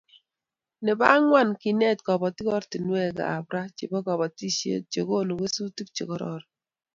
Nebo angwan kenet kobotik oratinwekab ra chebo kobotisiet chekonu kesutik che kororon